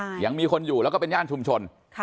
หรืออย่างมีคนอยู่และเป็นโขงชุมชน